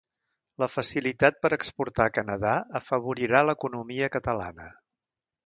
La facilitat per exportar a Canada afavorirà l'economia catalana